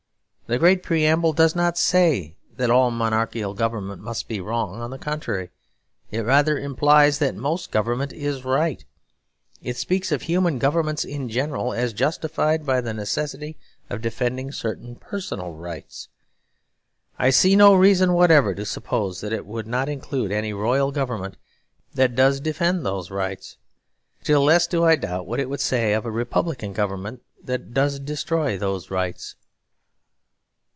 The great preamble does not say that all monarchical government must be wrong; on the contrary, it rather implies that most government is right. It speaks of human governments in general as justified by the necessity of defending certain personal rights. I see no reason whatever to suppose that it would not include any royal government that does defend those rights. Still less do I doubt what it would say of a republican government that does destroy those rights.